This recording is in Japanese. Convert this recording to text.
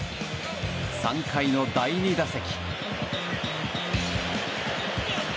３回の第２打席。